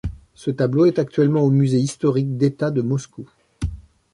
Ce tableau est actuellement au musée historique d'État de Moscou.